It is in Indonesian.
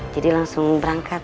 jadi langsung berangkat